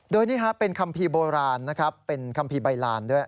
โดยนี้เป็นคำพี่โบราณเป็นคำพี่ใบลานด้วย